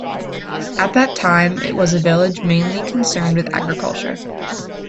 At that time, it was a village mainly concerned with agriculture.